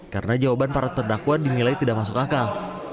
karena jawaban para terdakwa dimilai tidak masuk akal